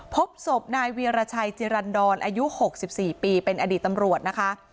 พบศพนายเวียรชัยจิรันดรอายุ๖๔ปีเป็นอดีตตำรวจนะคะ